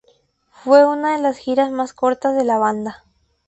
Fue una de las giras más cortas de la banda.